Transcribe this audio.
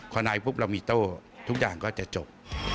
พอในปุ๊บเรามีโต้ทุกอย่างก็จะจบ